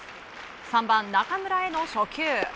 ３番、中村への初球。